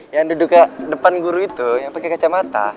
yang duduknya depan guru itu yang pakai kacamata